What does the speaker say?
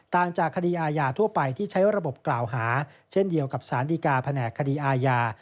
จากคดีอาญาทั่วไปที่ใช้ระบบกล่าวหาเช่นเดียวกับสารดีกาแผนกคดีอาญา